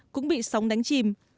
cũng bị sóng đánh chìm